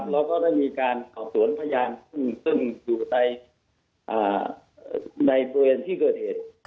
แล้วก็ได้มีการสอบสวนพยานซึ่งอยู่ในบริเวณที่เกิดเหตุ